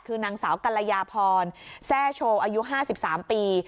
คือนางสาวกัลยาพรแซ่โชว์อายุ๕๓ปี